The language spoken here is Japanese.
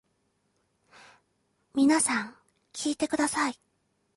皆さん聞いてください。